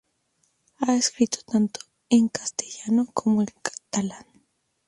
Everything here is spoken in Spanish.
Ha escrito tanto en castellano como en catalán.